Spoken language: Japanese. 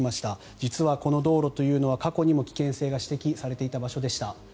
実はこの道路は過去にも危険性が指摘されていた場所でした。